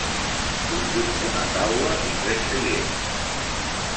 Conjunt d'una taula i tres seients.